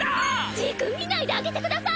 ジーク見ないであげてください！